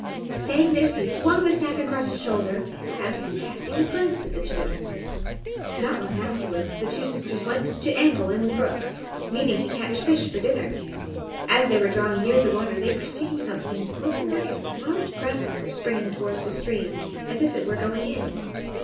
Saying this, he swung the sack across his shoulder and went off without even casting a glance at the children. Not long afterwards the two sisters went to angle in the brook, meaning to catch fish for dinner. As they were drawing near the water they perceived something, looking like a large grasshopper, springing towards the stream, as if it were going in.